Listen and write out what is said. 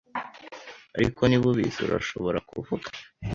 Ariko niba ubizi urashobora kuvuga